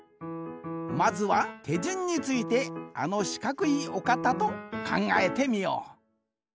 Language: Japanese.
まずはてじゅんについてあのしかくいおかたとかんがえてみよう。